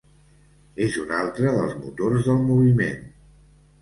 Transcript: És un altre dels motors del moviment.